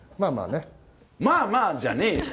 まあまあじゃねぇよ！